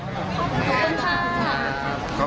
ขอบคุณครับ